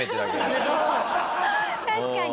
確かに。